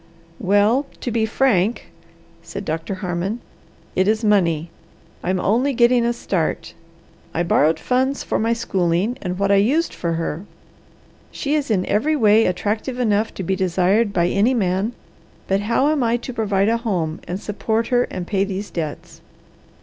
"Well to be frank," said Doctor Harmon, "it is money! I'm only getting a start. I borrowed funds for my schooling and what I used for her. She is in every way attractive enough to be desired by any man, but how am I to provide a home and support her and pay these debts?